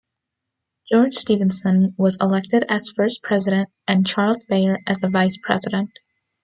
George Stephenson was elected as first president and Charles Beyer as a vice president.